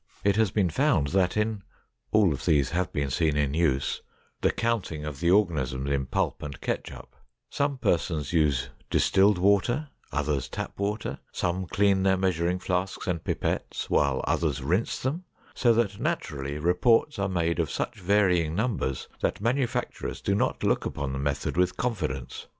It has been found that in (all of these have been seen in use) the counting of the organisms in pulp and ketchup, some persons use distilled water, others tap water, some clean their measuring flasks and pipettes, while others rinse them, so that naturally reports are made of such varying numbers that manufacturers do not look upon the method with confidence.